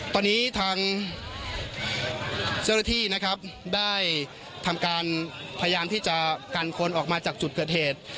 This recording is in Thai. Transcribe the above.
ตอนนี้ทางเจ้าหน้าที่นะครับได้ทำการพยายามที่จะกันคนออกมาจากจุดเกิดเหตุ